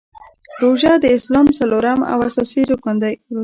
روژه د اسلام څلورم او اساسې رکن دی .